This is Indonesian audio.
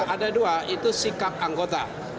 ada dua itu sikap anggota